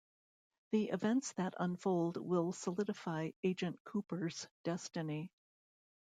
The events that unfold will solidify Agent Cooper's destiny.